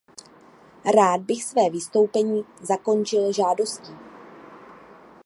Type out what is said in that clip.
Rád bych své vystoupení zakončil žádostí.